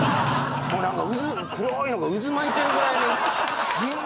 もう何か黒いのが渦巻いてるぐらいにしんど！